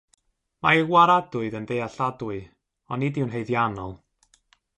Mae ei waradwydd yn ddealladwy, ond nid yw'n haeddiannol.